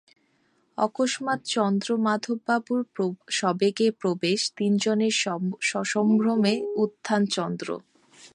অকস্মাৎ চন্দ্রমাধববাবুর সবেগে প্রবেশ তিনজনের সসম্ভ্রমে উত্থান চন্দ্র।